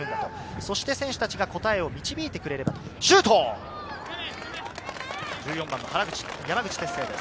そして選手たちが答えを導いてくれればと話しています。